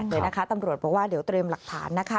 เลยนะคะตำรวจบอกว่าเดี๋ยวเตรียมหลักฐานนะคะ